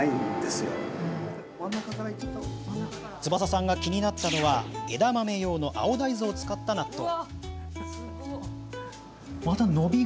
翼さんが気になったのは枝豆用の青大豆を使った納豆。